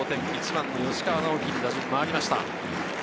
１番の吉川尚輝に打順が回りました。